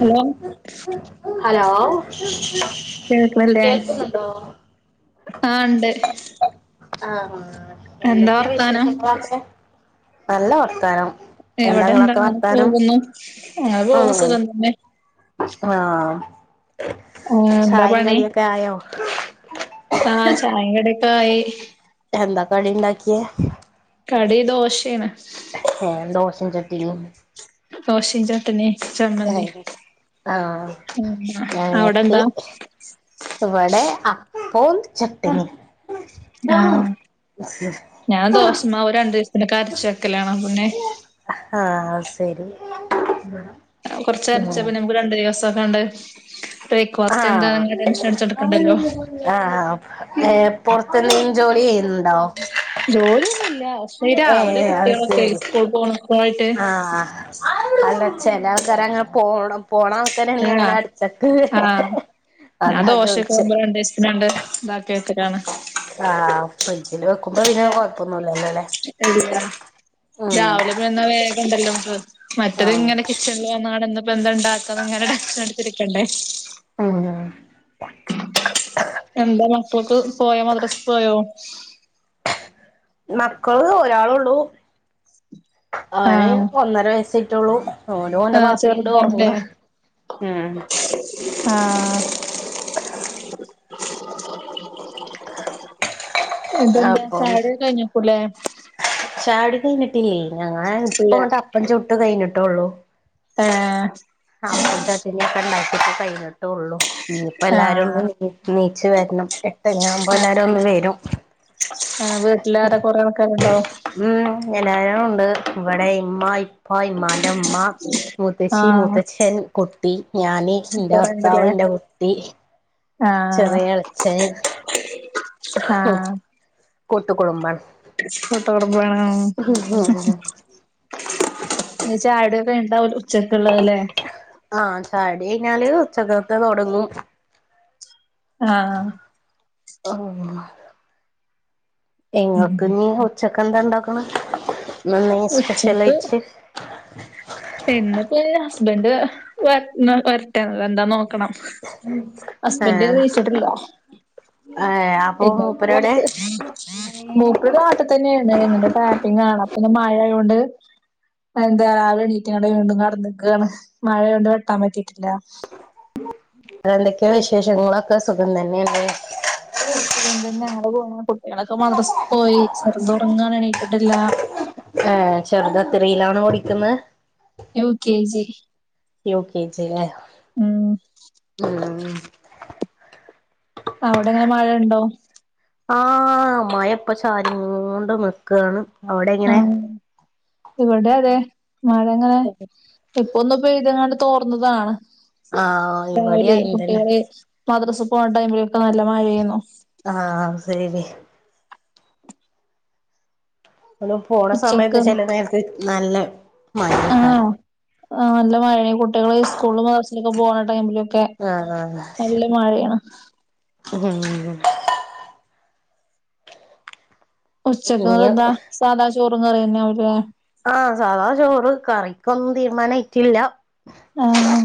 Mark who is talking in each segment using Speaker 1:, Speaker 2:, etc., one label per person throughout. Speaker 1: Hello
Speaker 2: hello
Speaker 1: കേൾക്കിണില്ലേ
Speaker 2: കേൾക്കുന്നുണ്ടോ
Speaker 1: ആഹ് ണ്ട്
Speaker 2: ആഹ് എന്തൊക്കെയാ
Speaker 1: വർത്താനം
Speaker 2: വിശേഷങ്ങളവിടെ നല്ല വർത്താനം
Speaker 1: ഇവിടെ
Speaker 2: എന്താങ്ങളൊക്കെ
Speaker 1: എന്താങ്ങനെ
Speaker 2: വർത്താനം
Speaker 1: പോകുന്നു അങ്ങനെ പോക
Speaker 2: ആഹ്
Speaker 1: സുഖം തന്നെ
Speaker 2: ആഹ്
Speaker 1: ആ എന്താ
Speaker 2: ചയിം കടി ഒക്കെ ആയോ
Speaker 1: ആഹ് ചായിം കടിക്കെ ആയി
Speaker 2: എന്താ കടി ഇണ്ടാക്കിയേ
Speaker 1: കടി ദോശെണ്
Speaker 2: എഹ് ദോസം ചട്ടിണോ
Speaker 1: ദോശിം ചട്ടണി ചമ്മന്തിം
Speaker 2: ഏഹ് ആഹ്
Speaker 1: ഉം അവിടെ
Speaker 2: ഞങ്ങക്ക്
Speaker 1: എന്താ
Speaker 2: ഇവിടെ അപ്പോം ചട്ടിണിം
Speaker 1: ആഹ് ഞാൻ ദോശമാവ് രണ്ടിസത്തിനൊക്കെ അരച്ച് വെക്കലാണ് അപ്പൊപിന്നെ
Speaker 2: ആഹ് അത് സെരി
Speaker 1: കൊറച്ചരച്ചാപ്പിന്നെ നമുക്ക് രണ്ട് ദിവസോക്കെ ആണ്ട്
Speaker 2: ആഹ്
Speaker 1: അടിച്ചെടുക്കണ്ടല്ലോ
Speaker 2: ആഹ് ഏ പൊറത്ത്ന്ന് ഈ ജോലി ചെയ്യുന്നുണ്ടോ
Speaker 1: ജോലിയൊന്നും ഇല്ല പക്ഷേ ഈ
Speaker 2: ഏ
Speaker 1: രാവിലെ
Speaker 2: അത്
Speaker 1: കുട്ടികളൊക്കെ
Speaker 2: ശരി
Speaker 1: സ്കൂൾ പോണ
Speaker 2: ആഹ് അല്ല ചില ആൾക്കാര് അങ്ങനെ പോണം പോണ ആൾക്കാരാണീ അങ്ങനെ
Speaker 1: ആഹ്
Speaker 2: അടിച്ചക്ക്
Speaker 1: ആഹ്
Speaker 2: അതാ ചോയിച്ചേ
Speaker 1: പിന്നണ്ട് ഇതാക്കിയ വെക്കലാണ്
Speaker 2: ആഹ് ഫ്രിഡ്ജിൽ വെക്കുമ്പോ പിന്നെ കൊഴപ്പൊന്നും ഇല്ലല്ലോ അല്ലെ
Speaker 1: ഇല്ല രാവിലെ പിന്നെ വേഗം ഉണ്ടല്ലോ മറ്റത്
Speaker 2: ആഹ്
Speaker 1: ഇങ്ങനെ നാളെ എന്താ ഇപ്പൊ എന്താ ഉണ്ടാക്കാന്ന് ഇങ്ങനെ ടെൻഷൻ അടിച്ചിരിക്കണ്ടേ
Speaker 2: ഉം
Speaker 1: എന്താ മക്കൾക്ക് പോയ മദ്രസ്ക്ക് പോയോ
Speaker 2: മക്കള് ഒരാളൊള്ളൂ അവന്
Speaker 1: ആഹ്
Speaker 2: ഒന്നര വയസായിട്ടൊള്ളൂ ഓനു ഓന്റെ
Speaker 1: ആഹ്
Speaker 2: വാപ്പിണ്ട്
Speaker 1: ചെറുതാല്ലേ
Speaker 2: ഒർങ്ങണ് ഉം
Speaker 1: ആഹ എന്തുണ്ട ചായ കുടി ഒക്കെ കഴിഞ്ഞേക്കും ലെ
Speaker 2: ചായകുടി കഴിഞ്ഞിട്ടില്ലേ ഞങ്ങള് ഇപ്പൊ
Speaker 1: ഇല്ല
Speaker 2: അങ്ങോട്ട് അപ്പം ചുട്ട് കഴിഞ്ഞിട്ടോള്ളു
Speaker 1: ആഹ
Speaker 2: അപ്പും ചട്ടിനി ഒക്കെ ഉണ്ടാക്കി കഴിഞ്ഞിട്ടേ ഉള്ളു ഇനി ഇപ്പൊ എല്ലാരും
Speaker 1: ആഹ്
Speaker 2: ഒന്ന് നീച്ച വരണം എട്ട് മണി ആകുമ്പോ എല്ലാരും ഒന്ന് വരും.
Speaker 1: ആ വീട്ടിലാരാ കൊറെ ആൾക്കാരുണ്ടോ
Speaker 2: ഉം [unintelligible] ഉണ്ട് ഇവിടെ ഇമ്മ ഇപ്പ ഇമ്മാന്റെ ഇമ്മ മുത്തച്ചി
Speaker 1: ആഹ്
Speaker 2: മുത്തച്ഛൻ കുട്ടി ഞാന് ഇന്റെ ഭർത്താവ് ഇൻ്റെ കുട്ടി
Speaker 1: ആഹ
Speaker 2: ചെറിയ എളച്ചന്
Speaker 1: ആഹ
Speaker 2: കൂട്ടു കുടുംബം
Speaker 1: കൂട്ട് കുടുംബണ് ഇനി ചായ കുടി ഒക്കെ കഴിഞ്ഞിട്ടാവും ഉച്ചക്കുള്ളത് ലെ
Speaker 2: ആഹ് ചായ കുടി കഴിഞ്ഞാല് ഉച്ചക്കത്തെ തുടങ്ങും
Speaker 1: ആഹ
Speaker 2: ഓ ഇങ്ങൾക്ക് ഇനി ഉച്ചക്ക് എന്താ ഉണ്ടാക്കണെ ഇന്നെന്തെങ്കി സ്പെഷ്യലായിച്ച്
Speaker 1: എന്നിപ്പ ഹസ്ബൻറ് വ വരട്ടെ എന്താ നോ ക്കണം ഹസ്ബൻഡ്
Speaker 2: ആഹ്
Speaker 1: എണീച്ചിട്ടില്ല
Speaker 2: ഏഹ് അപ്പൊ
Speaker 1: എന്താക്ക
Speaker 2: മൂപ്പരെവിടെ
Speaker 1: പൊറത്ത് മൂപ്പിട് നാട്ടിൽ തന്നെയാണ് ഇങ്ങട് ടാപ്പിംഗ ആണ് അപ്പൊ ഇന്ന് മഴ ആയത കൊണ്ട്. എന്താ രാവിലെ എണീറ്റങ്ങടെ വീണ്ടും കടന്ന്ക്കാണ് മഴയ കൊണ്ടു വെട്ടാൻ പറ്റിയിട്ടില്ല.
Speaker 2: എന്തൊക്കെയാ വിശേഷങ്ങളൊക്കെ സുഖം തന്നെ അല്ലെ
Speaker 1: ഇതുകൊണ്ട തന്നെ ഞങ്ങള് പോണു കുട്ടികളൊക്കെ മദ്രസ്ക്ക് പോയി ചെറുതുറങ്ങാണ് എണീറ്റിട്ടില്ല.
Speaker 2: ഏ ചെറുത് എത്രയിലാണ് പഠിക്കുന്നെ.
Speaker 1: U K G
Speaker 2: U K G ലെ
Speaker 1: ഉം
Speaker 2: ഉം.
Speaker 1: അവിടെങ്ങനെ മഴ ഉണ്ടോ.
Speaker 2: ആ മഴ ഇപ്പ ചാരി ങ്ങോണ്ട് നിക്കാണ് അവിടെ
Speaker 1: ആ
Speaker 2: എങ്ങനെ
Speaker 1: ഇവിടെ അതെ മഴങ്ങനെ ഇപ്പൊന്നും പെയ്തെങ്ങട് തോർന്നതാ
Speaker 2: ആഹ് ഇവിടേം
Speaker 1: രാവിലെ
Speaker 2: അങ്ങനെ തന്നെ
Speaker 1: കുട്ടികളെ മദ്രസ് പോകണ ടൈമിലൊക്കെ നല്ല മഴെയേന്നു
Speaker 2: ആഹ ശരി [unintelligible] പോണ സമയത്ത്
Speaker 1: ഉച്ചക്ക്
Speaker 2: ചില നേരത്ത് നല്ല മഴേക്കാരം
Speaker 1: ആ് നല്ല മഴയെ കുട്ടികള് സ്കൂളും ക്ലാസ്സിലൊക്കെ പോണ ടൈമിലൊക്കെ
Speaker 2: ആഹ് ആഹ്
Speaker 1: നല്ല മഴയാണ്.
Speaker 2: ഉം
Speaker 1: ഉച്ചക്ക്
Speaker 2: ഇനി
Speaker 1: എന്താ സാധാ ചോറും കറിയന്നെ ആവും ലെ.
Speaker 2: ആഹ് സാധാ ചോറ് കറിക്കൊന്നും തീരുമാന ആയിട്ടില്ല.
Speaker 1: ആഹ്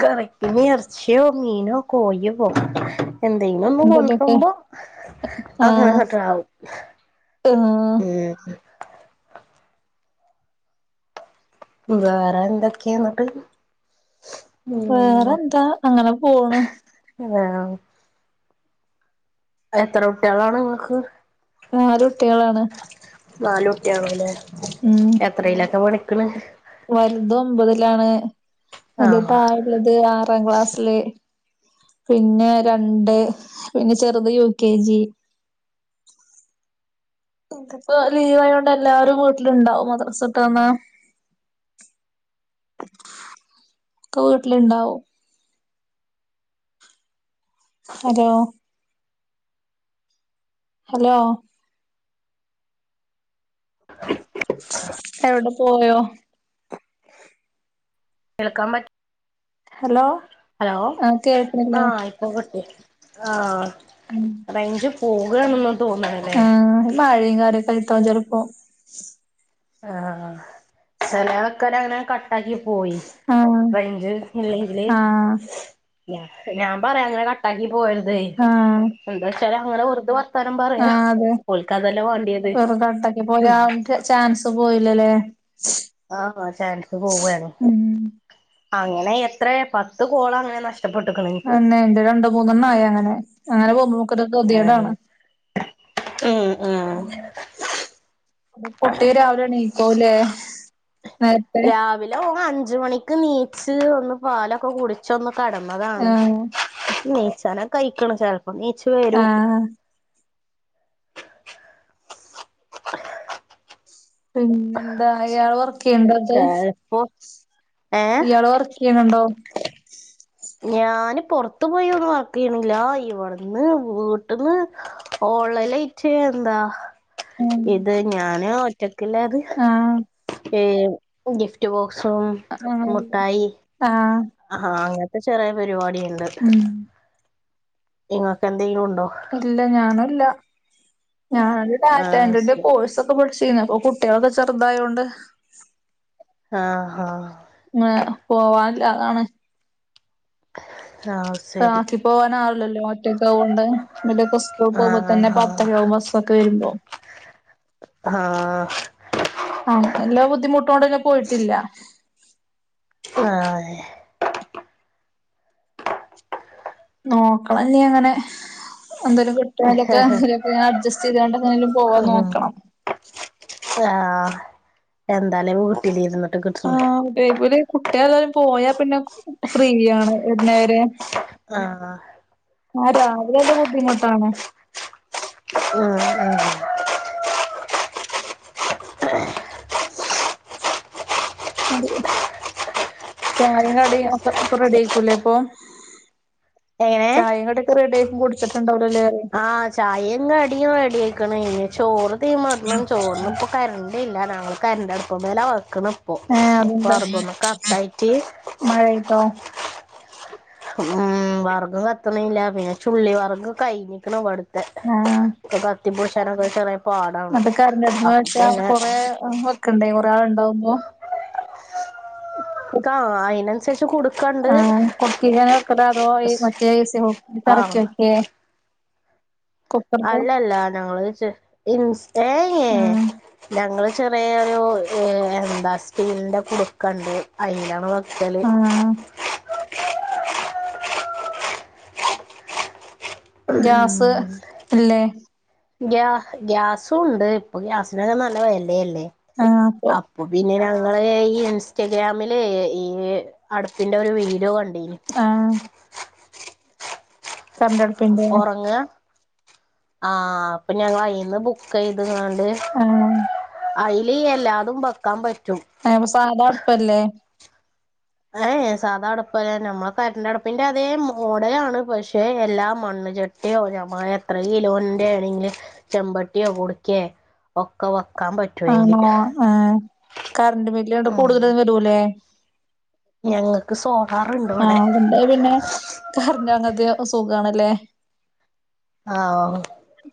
Speaker 2: കറിക്കിനെർച്യ്യോ മീനോ കോയ്യോ പോ എന്തെങ്കിലൊന്നു
Speaker 1: എന്തേലൊക്കെ
Speaker 2: കൊണ്ട്രുമ്പോൾ
Speaker 1: ആഹ്
Speaker 2: അകനക ട്രാവും
Speaker 1: ആഹ്
Speaker 2: ഉം വേറെ എന്തൊക്കെയാന്നിട്ട്.
Speaker 1: വേറെ ന്താ അങ്ങനെ പോണ്.
Speaker 2: വേറെ എത്ര ട്ടു കളാണ് നിങ്ങക്ക്.
Speaker 1: നാലു ട്ടികളാണ്.
Speaker 2: നാലുട്ടി ആണുലെ
Speaker 1: ഉം
Speaker 2: എത്രയിലൊക്കെ പഠിക്ണ്.
Speaker 1: വലുതൊ മ്പതിലാണ് അന്റെ
Speaker 2: ആഹ്
Speaker 1: താഴെല്ലൊത് ആറാം ക്ലാസില്. പിന്നെ രണ്ട് പിന്നെ ചെറുത് യു കെ ജി. ഇിനിപ്പോ ലീവായ്യോണ്ട് എല്ലാരും വീട്ടിലുണ്ടാവും മദ്രസട്ട് വന്നാ
Speaker 2: അം [inaudible]
Speaker 1: ക്ക വീട്ടിലി ണ്ടാവും. Hello hello.
Speaker 2: [inaudible]
Speaker 1: എവിടെ പോയോ?
Speaker 2: കേൾക്കാൻ പറ്റ
Speaker 1: ഹലോ
Speaker 2: ഹലോ
Speaker 1: ആഹ് കേൾക്കണില്ലേ
Speaker 2: ആഹ് ട്ട ആ റേഞ്ച് പോകണ്ണെന്ന തോന്നണല്ലേ
Speaker 1: മയേം കാര്യം ആയിട്ടായിരിക്കും ചിലപ്പോ
Speaker 2: ആഹ് ചെലെ ആൾക്കാര ങ്ങനെ കട്ടാക്കി പോയി.
Speaker 1: ആഹ്
Speaker 2: റേഞ്ചു ഇല്ലെങ്കില്
Speaker 1: ആഹ്
Speaker 2: ഞാൻ പറയാ അങ്ങനെ കട്ടാക്കി പോകര്ത് തെ
Speaker 1: ആഹ്
Speaker 2: എന്താ വച്ചാല് ങ്ങനെ വെറുതെ വരത്താ ത്തരം പറയാ
Speaker 1: ആഹ് അതെ
Speaker 2: ഓൽക്ക് അതല്ലേ വേണ്ടിയത്
Speaker 1: വെറും കട്ടാക്കി പോയാ
Speaker 2: ഹ്മ്മ്.
Speaker 1: അവൻക്ക് ചാൻസ് പോയില്ലല്ലേ ശ്.
Speaker 2: ആആ ചാൻസ് പോവലോഅങ്ങനെ എത്രയ പത്ത് കോള അങ്ങനെ നഷ്ട ടപ്പെട്ടക്കാണ്.
Speaker 1: അന്നെരണ്ട് രണ്ട് മൂന്നെണ്ണായി അങ്ങനെഅങ്ങനെ പോകുമ്പോ ഒക്കരു കദ്യ
Speaker 2: ഏഹ്
Speaker 1: ട്ടാണ്
Speaker 2: ഉം ഉം
Speaker 1: അ കുട്ടി രാവിലണീപ്പോല്ലേ?
Speaker 2: രാവിലെഓൻ അഞ്ച് മണിക്ക് നീച്ച് ഒന്ന് പാലൊക്കെ കുടിച്ച് ച്ചൊന്ന് കടന്നതാണ്
Speaker 1: ആഹ്
Speaker 2: നീച്ചന കഴിക്കണ് ചെലപ്പോ നീച്.
Speaker 1: ആഹ് പിന്നെന്താ ഇയാൾ വർക്ക് യ്യണ്ടത്
Speaker 2: ചെലപ്പോ ഏഹ്
Speaker 1: ഇയാൾ വർക്ക് യ്യ് ചെയ്യ്ണ്ടോ
Speaker 2: ഞാന് പുറത്തു പോയി ഒന്നും വർക്ക് ചെയ്യണില്ല ഇവിടുന്ന് വീട്ടീനു ഓൺലൈൻ എന്താ
Speaker 1: ആഹ്
Speaker 2: ഇത് ഞാന് ഒറ്റക്കില്ലത്
Speaker 1: ആഹ്
Speaker 2: ഈ ഗിഫ്റ്റ് ബോക്സും
Speaker 1: ആഹ് ആഹ്
Speaker 2: ആഹാ അങ്ങനത്തെ ചെറിയ പരിപാടിയ്ണ്ട്.
Speaker 1: ഉം
Speaker 2: ഇങ്ങക്ക് ന്തെങ്കിലും ഉണ്ടോ?
Speaker 1: ഇല്ല ഞാനല്ല ഞാനൊ
Speaker 2: ആഹ്
Speaker 1: ഡാറ്റൻററിന്റെ
Speaker 2: ശരി
Speaker 1: കോഴ്സ് ഇപ്പോ വിളിച്ചിന്ന് കുട്ടികളൊക്കെചെറുതയോണ്ട്.
Speaker 2: ആഹ് ആഹ്
Speaker 1: ആ പോവാറില്ല അതാണ്.
Speaker 2: ആഹ് സ്
Speaker 1: ആക്കി പോകാന ആവില്ലല്ലോ ഒറ്റക്കെ ആവൊണ്ട് ബലൊക്കെസ്കൂൾ പോകുമ്പോ
Speaker 2: ആഹ്
Speaker 1: തന്നെ
Speaker 2: ആഹ്
Speaker 1: പത്തരയാവും ബസ്സൊക്കെ വരുമ്പോ
Speaker 2: ആഹ്
Speaker 1: ആ എല്ലാ ബുദ്ധിമുട്ടുകൊണ്ട്ങ്ങെ പോയിട്ടില്ല
Speaker 2: ആഹ്
Speaker 1: നോക്കണംന്നീ അങ്ങനെ എന്തെലും [unintelligible] അഡ്ജസ്റ്റ് [unintelligible] പോവാൻ
Speaker 2: ഉം
Speaker 1: നോക്കണം
Speaker 2: ആഹ് എന്താലും വീട്ടിലിരുന്നിട്ട് കിട്ട്ണ്
Speaker 1: അത്പോലെ കുട്ടികൾ എല്ലാവരും പോയാ പിന്നെ ഫ്രീയാണ് വരുന്നവരെ
Speaker 2: ആഹ്
Speaker 1: ആഹ് രാവിലെ എന്ത് ബുദ്ധിമുട്ടാണ്
Speaker 2: ആഹ് [inaudible]
Speaker 1: [inaudible] ചായ കടി ഒക്കെ ഒക്കെ റെഡി ആയിക്കൂല്ലേ പ്പൊ
Speaker 2: എങ്ങനെ
Speaker 1: ചായയും കടിയുമൊക്കെ റെഡിയായി ഇപ്പൊ കുടിച്ചിട്ടുണ്ടാവലെറിയാ
Speaker 2: ആഹ് ചായയും കടിയും റെഡിയായിക്ക്ണ് ഇനി ചോറ് തീമ ഇടണം ചോറിനും കരണ്ട്ല്ല ഞങ്ങൾ കരണ്ട് അടുപ് മേലാ വയ്ക്കണ്
Speaker 1: ഏഹ്
Speaker 2: വിറകൊന്നും കത്തായിട്ട്
Speaker 1: മഴആയിട്ടോ
Speaker 2: ഉം വിറക് കത്തണില്ല പിന്നെ ചുള്ളി വിറക്ക് കഴഞ്ഞിക്കണവിടു തെ
Speaker 1: ആഹ്
Speaker 2: കത്തി പൂഷാനൊക്കെ ഷാറായി
Speaker 1: അത് കറൻ്റ് അടുപ്പിൽ വച്ചാ കൊറെ വെക്കണ്ടെ കൊറെ ആളുണ്ടാവുമ്പോ
Speaker 2: ആ അതിനനുസരിച്ച് കൊടുക്കാ
Speaker 1: ആഹ കുടുക്കി ഇങ്ങനെ വെക്കുന്നതോ അതോ മറ്റേ
Speaker 2: ആഹ്
Speaker 1: [unintelligible] കുക്കർക്ക്
Speaker 2: അല്ലല്ല ഞങ്ങള് ചെയിൻ ൻസ്റ്റയേ
Speaker 1: ആഹ്
Speaker 2: ഞങ്ങൾ ചെറിയൊരു, എന്താ സ്റ്റീലിന്റെ കുടുക്കണ്ട്. അയിലാണ് [unintelligible]
Speaker 1: ആഹ് ഗ്യാസ് ഇല്ലേ
Speaker 2: ഗ്യാ ഗ്യാസും ഉണ്ട് ഇപ്പൊ ഗ്യാസിനൊക്കെ നല്ല വെലയല്ലേ
Speaker 1: ആഹ് അപ്പൊ
Speaker 2: പ്പ പിന്നെ ഞങ്ങള് ഈ ഇൻസ്റ്റഗ്രാമില് ഈ അടുപ്പിന്റെ ഒരു വീഡിയോ കണ്ട്
Speaker 1: ആ കറണ്ടടുപ്പിന്റെ
Speaker 2: ഉറങ്ങാ ആ അപ്പൊ ഞങ്ങൾ ആയിന് ബുക്ക് ചെയ്തകാണ്ട്...
Speaker 1: ആഹ്
Speaker 2: അയിൽ എല്ലാതും വെക്കാൻ പറ്റും
Speaker 1: ആപ്പൊ സാധാ അടുപ്പല്ലേ
Speaker 2: ഏയ് സാദാ അടുപ്പല്ലേ നമ്മളെ കറന്റെ അടുപ്പിന്റെ അതേ മോഡലാണ് പക്ഷെ എല്ലാ മണ്ണ് ചട്ടി ട്ട്യോ യോ ഞമ്മ എത്ര കിലോന്റെ ആണെങ്കില് ചെമ്പട്ടിയോ കുടുക്കേ ഒക്കെ വെക്കാൻ പറ്റുവയില്
Speaker 1: ആ കറന്റ് ബില്ലണ്ട് കൂടുതലും വരൂല്ലേ
Speaker 2: ഞങ്ങൾക്ക് സോളാറുണ്ട് ഇവിടെ
Speaker 1: എന്റെ പിന്നെ കറന്റ്‌ അങ്ങത്തെ സുഖണല്ലേ
Speaker 2: ആഹ് ഓ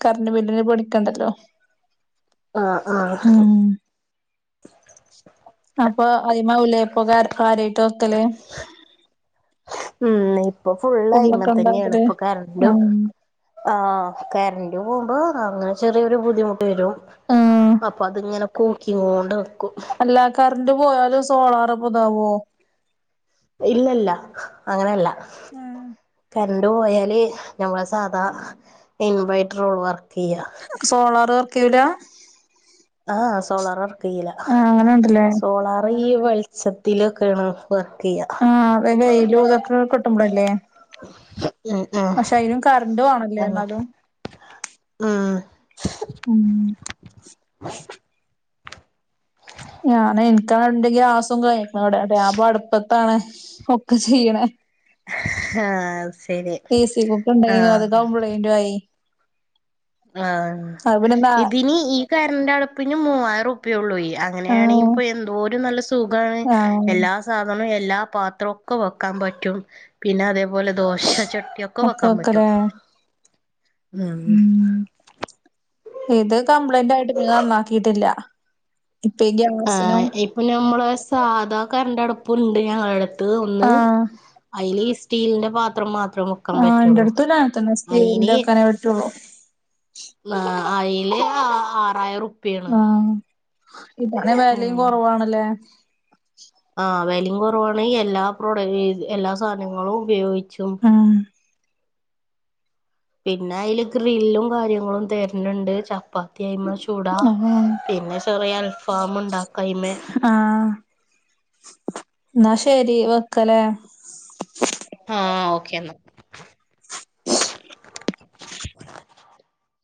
Speaker 1: കറൻ്റ് ബില്ലിന് പേടിക്കണ്ടല്ലോ
Speaker 2: ആഹ് ആഹ്
Speaker 1: ഉം അപ്പൊ അയിമാവുല്ലേ ഇപ്പൊ കിര്യായിട്ട് വെക്കൽ
Speaker 2: ഉം ഇപ്പൊ ഫുൾ അയ്മ
Speaker 1: ഫുഡൊക്കെ
Speaker 2: തന്നെയാണ്
Speaker 1: ഉണ്ടാക്കല്
Speaker 2: ഇപ്പൊ കറണ്ടും
Speaker 1: ആഹ്
Speaker 2: ആഹ കറന്റ് പോകുമ്പോ അങ്ങനെ ചെറിയൊരു ബുദ്ധിമുട്ട് വരും
Speaker 1: ആഹ്
Speaker 2: അപ്പൊ അതിങ്ങനെ കൂകികൊണ്ട് നിക്കും
Speaker 1: എല്ലാ കറന്റ് പോയാലും സോളാർ ഇപ്പ താവോ
Speaker 2: ഇല്ലല്ല അങ്ങനെയല്ല
Speaker 1: ആ
Speaker 2: കറന്റ് പോയാല് ഞമ്മളെ സാധാ ഇൻവേർട്ടറോള് വർക്ക് ചെയ്യുക
Speaker 1: സോളാർ വർക്ക്ചെയ്യൂല
Speaker 2: ആഹ ആ സോളാർ വർക്ക്‌ ചെയ്യില്ല
Speaker 1: ആഹ് അങ്ങനെണ്ടല്ലേ
Speaker 2: സോളാർ ഈ വെളിച്ചത്തിലൊക്കെയാണ് വർക്ക് ചെയ്യാം
Speaker 1: ആ ഇപ്പൊ വെയിലും ഇതൊക്കെ കിട്ടുമ്പോളല്ലേ
Speaker 2: ഉം ഉം
Speaker 1: പക്ഷെ അതിനും കറന്റ്‌ വേണല്ലേ
Speaker 2: അങ്ങനെ
Speaker 1: എന്നാലും
Speaker 2: ഉം
Speaker 1: ഉം ഞാൻ ഇന്കി ആണെങ്കിൽ അവിടെ ഇന്റെ ഗ്യാസും കഴിഞ്ഞ്ക്ക്‌ണ് അവിടെ ഞാൻ ഇപ്പൊ അടുപ്പത്താണ് ഒക്കെ ചെയ്യണ
Speaker 2: ആ ശരി ആ
Speaker 1: ന്റും ആയി
Speaker 2: ആഹ
Speaker 1: അത് പിന്നെ നാ
Speaker 2: ഇതിന് ഈ കരന്റെ അടുപ്പിന് മൂവായിരം റുപ്പിയ ഉള്ളൂ അങ്ങനെയാണെങ്കിൽ ഇപ്പൊ എന്തോ ഒരു നല്ല സുഖമാണ്
Speaker 1: ആഹ
Speaker 2: സാധനം എല്ലാ പാത്രൊക്കെ വെക്കാൻ പറ്റും പിന്നെ അതേപോലെ ദോശ ചട്ടിയൊക്കെ
Speaker 1: ഒക്കെ
Speaker 2: വെക്കാൻ പറ്റും
Speaker 1: വെക്കലേ
Speaker 2: ഉം
Speaker 1: ഇത് കംപ്ലൈന്റ് ആയിട്ട് പിന്നെ നന്നാക്കിയിട്ടില്ല ഇപ്പ ഈ ഗ്യാസ്
Speaker 2: ആഹ ഇപ്പൊ ഞമ്മളെ സാധാ കറന്റ് അടുപ്പുണ്ട് ഞങ്ങളടുത്ത് ഒന്ന്
Speaker 1: ആഹ്
Speaker 2: അതില് ഈ സ്റ്റീലിന്റെ പാത്രം മാത്രം വെക്കാൻ
Speaker 1: ആ
Speaker 2: പറ്റുള്ളൂ
Speaker 1: എന്റെടുത്തുള്ള അങ്ങനെത്തന്നെ
Speaker 2: അയിന്
Speaker 1: സ്റ്റീൽൻ്റെ അക്കനെ പറ്റുള്ളു
Speaker 2: ആ അയിൽ ആറായിരം റുപ്പിയ ആണ്
Speaker 1: ഇതാണേൽ വെലയും കൊറവാണ്ല്ലേ
Speaker 2: ആഹ് വെലിം കൊറവാണ് എല്ലാ പ്രോഡ് ഈത് എല്ലാ സാധനങ്ങളും ഉപയോഗിച്ചും
Speaker 1: ആഹ്
Speaker 2: പിന്നെ ആയില് ഗ്രില്ലും കാര്യങ്ങളും തര്ൻണ്ട് ചപ്പാത്തിഅയ്മേ ചൂടാ
Speaker 1: ആഹ്
Speaker 2: പിന്നെ ചെറിയ അൽഫാം ഉണ്ടാക്കയിമേ
Speaker 1: ആ എന്നാ ശെരി വെക്കലേ
Speaker 2: ആ ഓക്കെ എന്നാ